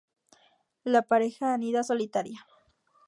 La pareja anida solitaria.